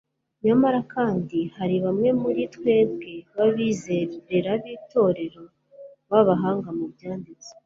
nyamara kandi, hari bamwe muri twebwe b'abizera b'itorero b'abahanga mu byanditswe